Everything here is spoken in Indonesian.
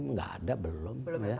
tidak ada belum